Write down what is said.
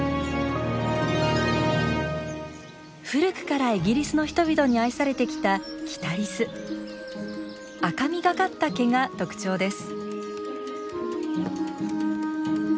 古くからイギリスの人々に愛されてきたキタリス赤みがかった毛が特徴です。